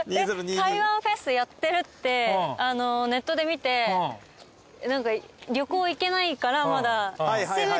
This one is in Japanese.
台湾フェスやってるってネットで見て旅行行けないからまだ。